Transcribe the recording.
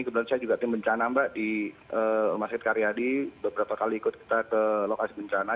kebetulan saya juga tim bencana mbak di rumah sakit karyadi beberapa kali ikut kita ke lokasi bencana